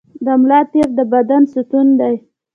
د ملا تیر د بدن ستون دی